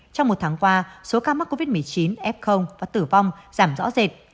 trong một tháng qua số ca mắc covid một mươi chín f và tử vong giảm rõ rệt